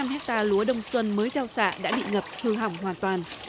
một mươi ba sáu trăm linh hectare lúa đông xuân mới giao xạ đã bị ngập hư hỏng hoàn toàn